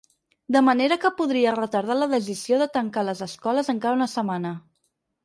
De manera que podria retardar la decisió de tancar les escoles encara una setmana.